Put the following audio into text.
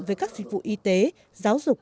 với các dịch vụ y tế giáo dục